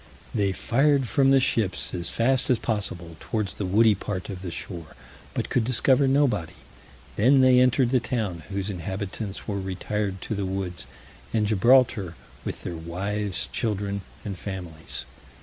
They fired from the ships as fast as possible, towards the woody part of the shore, but could discover nobody; then they entered the town, whose inhabitants were retired to the woods, and Gibraltar, with their wives children and families.